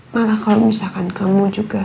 malah kalau misalkan kamu juga